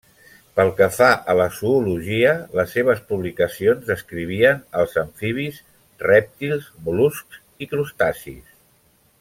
Pel que fa a zoologia, les seves publicacions descrivien als amfibis, rèptils, mol·luscs i crustacis.